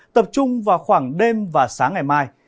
tập trung vào khoảng đêm và sáng ngày mai